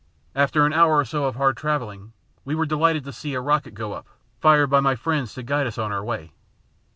After an hour or so of hard travelling, we were delighted to see a rocket go up, fired by my friends to guide us on our way.